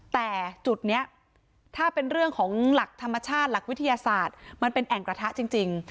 แต่จุดนี้ถ้าเป็นเรื่องของหลักธรรมชาติหลักวิทยาศาสตร์มันเป็นแอ่งกระทะจริง